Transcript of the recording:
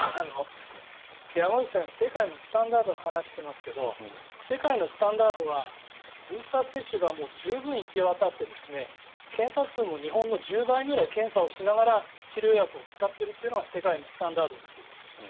山口さんは世界のスタンダードの話をしていますけど世界のスタンダードはブースター接種が十分に行き渡って検査数も日本の１０倍くらい検査をしながら治療薬を使っているというのが世界のスタンダードですよね。